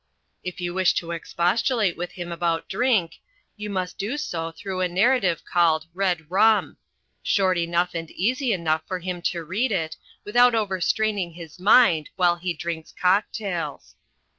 If you wish to expostulate with him about drink, you must do so through a narrative called Red Rum short enough and easy enough for him to read it, without overstraining his mind, while he drinks cocktails.